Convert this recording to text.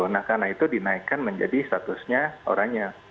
nah karena itu dinaikkan menjadi statusnya oranye